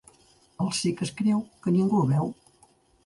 El cec es creu que ningú el veu.